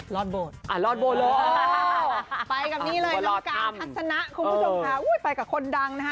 รอดโบดอ่ารอดโบเลยไปกับนี่เลยน้องการทัศนะคุณผู้ชมค่ะอุ้ยไปกับคนดังนะฮะ